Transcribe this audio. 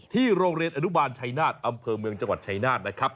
โรงเรียนอนุบาลชัยนาศอำเภอเมืองจังหวัดชายนาฏนะครับ